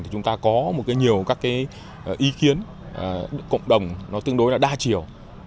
thì chúng ta có một cái nhiều các cái ý kiến cộng đồng nó tương đối là đa chiều